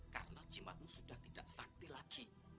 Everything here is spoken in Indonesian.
karena cimbatmu sudah tidak sakti lagi